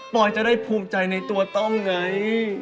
อยจะได้ภูมิใจในตัวต้องไง